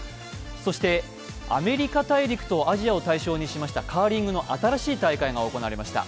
そしてアメリカ大陸とアジアを対象にしましたカーリングの新しい大会が行われました。